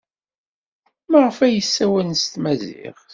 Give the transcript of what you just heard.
Maɣef ay yessawal s tmaziɣt?